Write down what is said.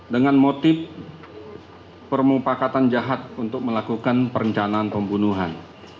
dengan motif permupakatan jahat untuk melakukan perencanaan pembunuhan